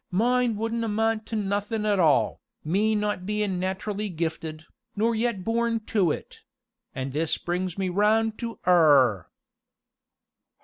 mine wouldn't amount to nothin' at all, me not bein' nat'rally gifted, nor yet born to it an' this brings me round to 'er!"